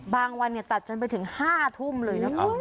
บางวันตัดจนไปถึง๕ทุ่มเลยนะค่ะ